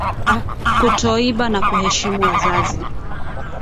kutoiba na kuheshimu wazazi